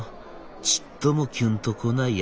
ちっともキュンとこないや」。